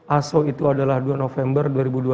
aso itu adalah dua november dua ribu dua puluh